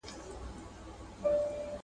نو موږ به هم د هغې په څېر شو.